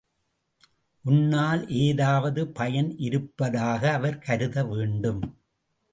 உன்னால் ஏதாவது பயன் இருப்பதாக அவர் கருத வேண்டும்.